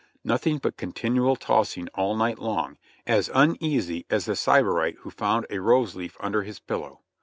Nothing but continual tossing all night long, as uneasy as the Sybarite who found a rose leaf under his pillow.